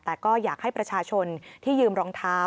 แต่ก็อยากให้ประชาชนที่ยืมรองเท้า